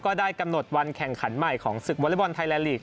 ได้กำหนดวันแข่งขันใหม่ของศึกวอเล็กบอลไทยแลนดลีก